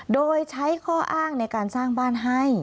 โดยใช้ข้ออ้างในการสร้างบ้านให้